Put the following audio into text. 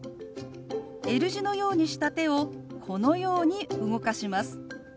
Ｌ字のようにした手をこのように動かします。